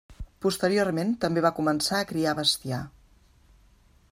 Posteriorment també van començar a criar bestiar.